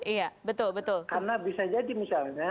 iya betul betul karena bisa jadi misalnya